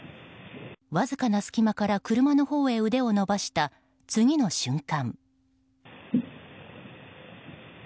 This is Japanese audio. わずかな隙間から車のほうへ腕を伸ばした次の瞬間。